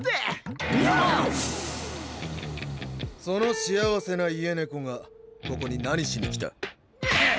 その幸せな家猫がここに何しに来た。